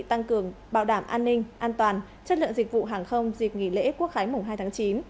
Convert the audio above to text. tăng cường bảo đảm an ninh an toàn chất lượng dịch vụ hàng không dịp nghỉ lễ quốc khái mùng hai tháng chín